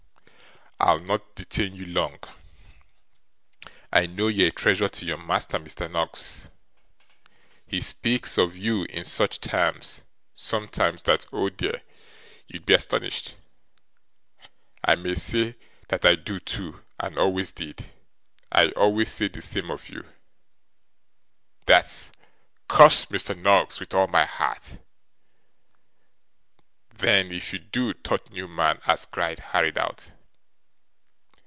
I'll not detain you long. I know you're a treasure to your master, Mr. Noggs. He speaks of you in such terms, sometimes, that, oh dear! you'd be astonished. I may say that I do too, and always did. I always say the same of you.' 'That's "Curse Mr. Noggs with all my heart!" then, if you do,' thought Newman, as Gride hurried out.